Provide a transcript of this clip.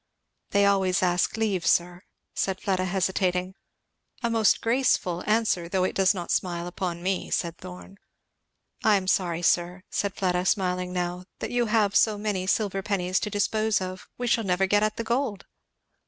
"They always ask leave, sir," said Fleda hesitating. "A most Grace ful answer, though it does not smile upon me," said Thorn. "I am sorry, sir," said Fleda, smiling now, "that you have so many silver pennies to dispose of we shall never get at the gold."